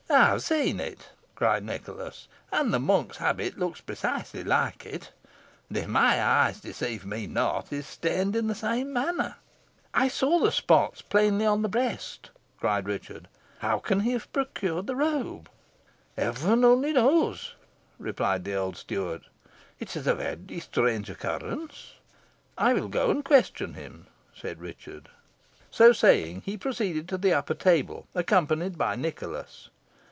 "I have seen it," cried Nicholas, "and the monk's habit looks precisely like it, and, if my eyes deceive me not, is stained in the same manner." "I see the spots plainly on the breast," cried Richard. "How can he have procured the robe?" "Heaven only knows," replied the old steward. "It is a very strange occurrence." "I will go question him," said Richard. So saying, he proceeded to the upper table, accompanied by Nicholas.